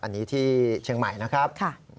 อันนี้ที่เชียงใหม่นะครับ